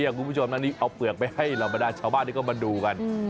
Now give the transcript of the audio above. คุณผู้ชมอันนี้เอาเปลือกไปให้เหล่าบรรดาชาวบ้านที่เขามาดูกัน